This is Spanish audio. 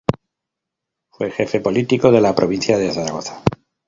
Fue Jefe Político de la provincia de Zaragoza.